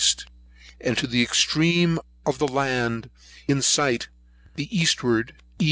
and to the extreme of the land in sight, the eastward E.